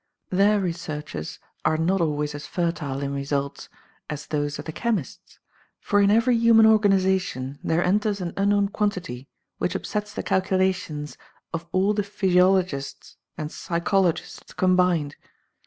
Their researches are not always as fertile in results as those of the chem ists, for in every human organization there enters an unknown quantity which upsets the calcula tions of all the physiologists and psychologists combined.